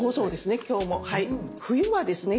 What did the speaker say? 冬はですね